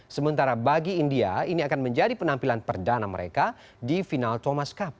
sementara bagi india ini akan menjadi penampilan perdana mereka di final thomas cup